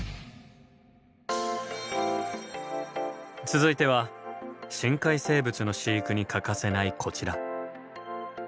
続いては深海生物の飼育に欠かせないこちら。